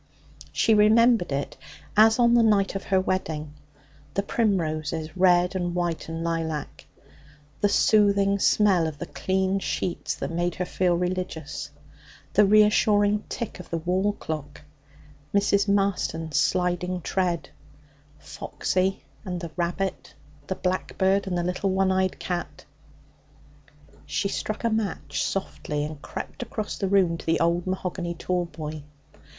She remembered it as on the night of her wedding the primroses, red and white and lilac; the soothing smell of the clean sheets, that made her feel religious; the reassuring tick of the wall clock; Mrs. Marston's sliding tread; Foxy and the rabbit, the blackbird, and the one eyed cat. She struck a match softly and crept across the room to the old mahogany tallboy.